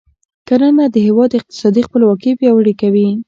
کرنه د هیواد اقتصادي خپلواکي پیاوړې کوي.